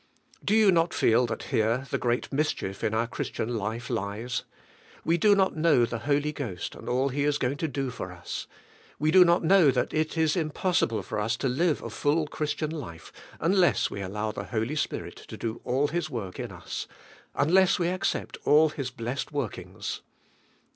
Do you not feel that here the great mis chief in our Christian life lies. We do not know the Holy Ghost and all He is going to do for us. We do not know that it is impossible for us to live a full Christian life unless we allow the Holy Spirit to do all His v/ork in us; unless we accept all His blessed workings.